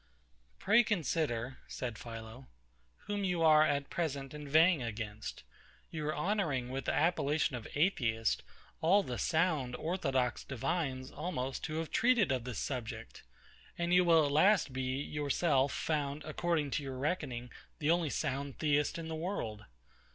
Pray consider, said PHILO, whom you are at present inveighing against. You are honouring with the appellation of Atheist all the sound, orthodox divines, almost, who have treated of this subject; and you will at last be, yourself, found, according to your reckoning, the only sound Theist in the world.